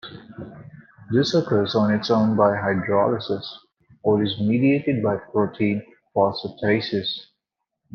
This occurs on its own by hydrolysis, or is mediated by protein phosphatases.